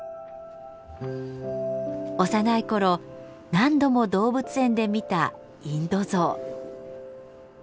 幼い頃何度も動物園で見たインドゾウ。